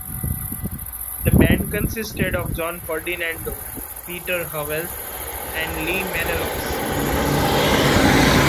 The band consisted of John Ferdinando, Peter Howell, and Lee Menelaus.